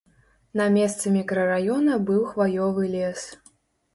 На месцы мікрараёна быў хваёвы лес.